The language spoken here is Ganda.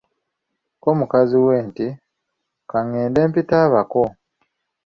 Ko mukazi we nti, Ka ngende mpite abako.